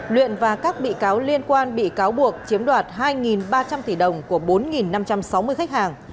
luyện và các bị cáo liên quan bị cáo buộc chiếm đoạt hai ba trăm linh tỷ đồng của bốn năm trăm sáu mươi khách hàng